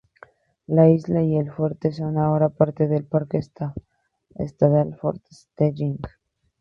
La isla y el fuerte son ahora parte del Parque Estadal Fort Snelling.